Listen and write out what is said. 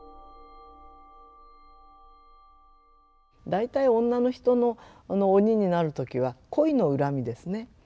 大体女の人の鬼になる時は恋の恨みですね。